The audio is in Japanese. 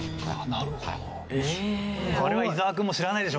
なるほど。